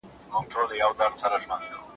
په خپل جنت کي سره دوخونه